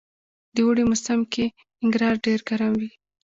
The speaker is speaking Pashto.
د اوړي موسم کي ننګرهار ډير ګرم وي